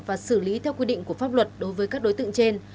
và xử lý theo quy định của pháp luật đối với các đối tượng trên